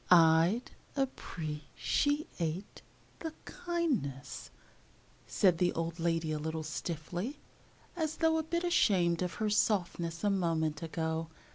"I'd ap pre ci ate the kindness," said the old lady a little stiffly, as though a bit ashamed of her softness a moment ago.